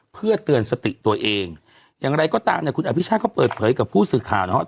เพื่อเตือนสติตัวเองอย่างไรก็ตามเนี่ยคุณอภิชาก็เปิดเผยกับผู้สื่อข่าวนะครับ